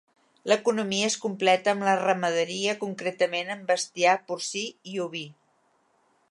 L'economia es completa amb la ramaderia, concretament amb bestiar porcí i oví.